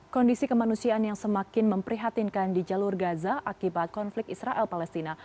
kondisi kemanusiaan yang semakin memprihatinkan di jalur gaza akibat konflik israel palestina